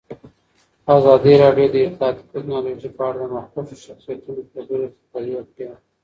ازادي راډیو د اطلاعاتی تکنالوژي په اړه د مخکښو شخصیتونو خبرې خپرې کړي.